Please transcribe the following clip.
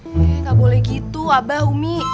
oke gak boleh gitu abah umi